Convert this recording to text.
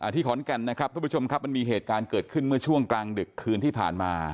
ที่ขอนแก่นนะครับทุกผู้ชมครับมันมีเหตุการณ์เกิดขึ้นเมื่อช่วงกลางดึกคืนที่ผ่านมา